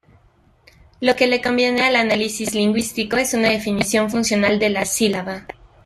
Lo que le conviene al análisis lingüístico es una definición funcional de la sílaba.